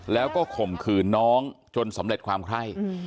แล้วก็ข่มขืนน้องจนสำเร็จความไข้